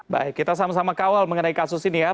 baik kita sama sama kawal mengenai kasus ini ya